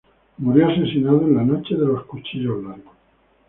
Murió asesinado en la Noche de los cuchillos largos.